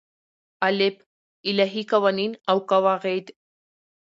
الف : الهی قوانین او قواعد